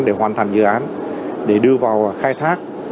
để hoàn thành dự án để đưa vào khai thác